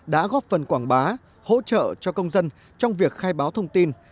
đã góp phần quảng bá hỗ trợ cho công dân trong việc khai báo thông tin